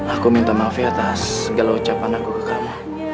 aku minta maafnya atas segala ucapan aku ke kamu